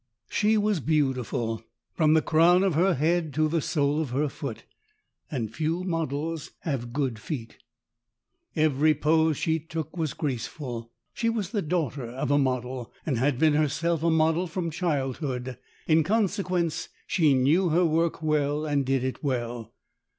She was beautiful from the crown of her head to the sole of her foot ; and few models have good feet. Every pose she took was graceful. She was the daughter of a model, and had been herself a model from childhood. In consequence, she knew her work well and did it well.